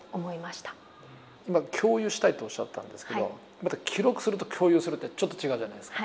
今「共有したい」っておっしゃったんですけど「記録する」と「共有する」ってちょっと違うじゃないですか。